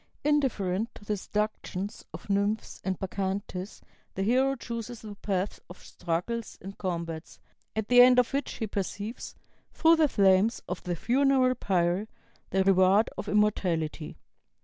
"Indifferent to the seductions of Nymphs and Bacchantes, the hero chooses the path of struggles and combats, at the end of which he perceives, through the flames of the funeral pyre, the reward of immortality."